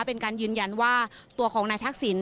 เป็นการยืนยันว่าตัวของนายทักษิณ